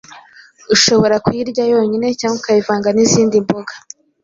Ushobora kuyirya yonyine cyangwa ukayivanga n’izindi mboga